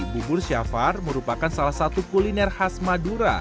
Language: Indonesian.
bubur syafar merupakan salah satu kuliner khas madura